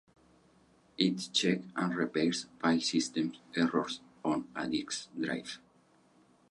It checks and repairs file systems errors on a disk drive.